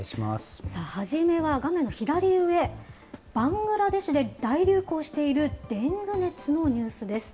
初めは、画面の左上、バングラデシュで大流行しているデング熱のニュースです。